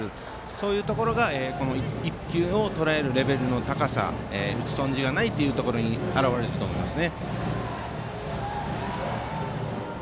そういうところが一球をとらえるレベルの高さ、打ち損じがないところに表れると思います。